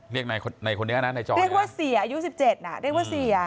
แบบว่าเสียอายุ๑๗นาน